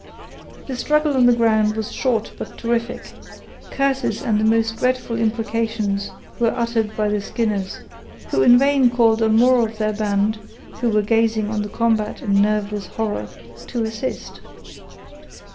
The struggle on the ground was short but terrific; curses and the most dreadful imprecations were uttered by the Skinners, who in vain called on more of their band, who were gazing on the combat in nerveless horror, to assist.